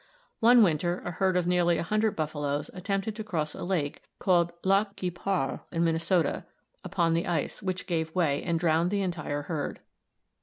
One winter, a herd of nearly a hundred buffaloes attempted to cross a lake called Lac qui parle, in Minnesota, upon the ice, which gave way, and drowned the entire herd.